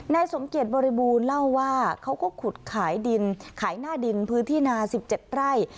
สมเกียจบริบูรณ์เล่าว่าเขาก็ขุดขายดินขายหน้าดินพื้นที่นา๑๗ไร่